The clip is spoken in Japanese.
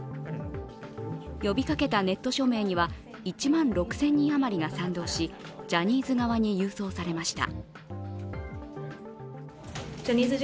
呼びかけたネット署名には１万６０００人余りが賛同し、ジャニーズ側に郵送されました。